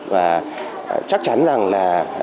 và họ thấy rằng cái đấy rất là hữu ích